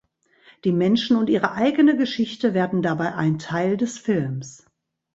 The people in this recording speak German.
Die Menschen und ihre eigene Geschichte werden dabei ein Teil des Films.